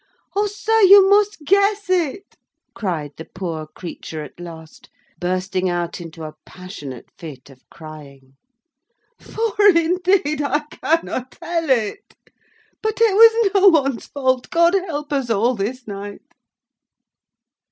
O, sir, you must guess it," cried the poor creature at last, bursting out into a passionate fit of crying, "for indeed I cannot tell it. But it was no one's fault. God help us all this night!"